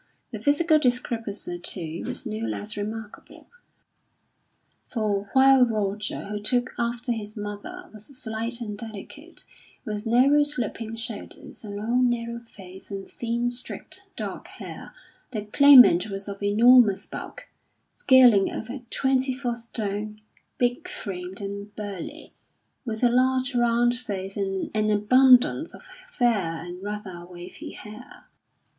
The physical discrepancy, too, was no less remarkable; for, while Roger, who took after his mother was slight and delicate, with narrow sloping shoulders, a long narrow face and thin straight dark hair, the Claimant was of enormous bulk, scaling over twenty four stone, big framed and burly, with a large round face and an abundance of fair and rather wavy hair.